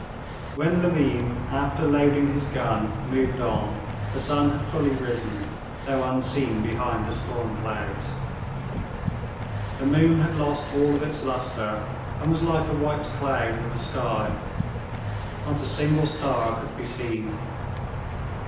When Levin, after loading his gun, moved on, the sun had fully risen, though unseen behind the storm clouds. The moon had lost all of its luster, and was like a white cloud in the sky. Not a single star could be seen.